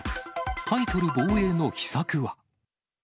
タイトル防衛の秘策は？